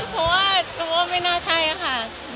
เพราะว่าไม่น่าใช่อะค่ะ